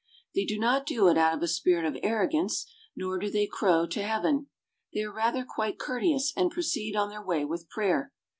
They do not do it out of a spirit of arrogance, nor do they crow to Heaven. They are rather quite courteous and proceed on their way with prayer.